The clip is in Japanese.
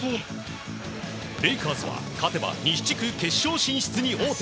レイカーズは勝てば西地区決勝進出に王手。